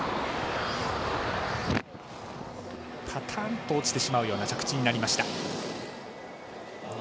パタンと落ちてしまうような着地になりました。